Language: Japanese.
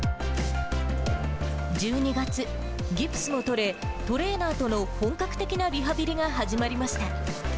１２月、ギプスも取れ、トレーナーとの本格的なリハビリが始まりました。